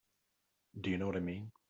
Do you know what I mean?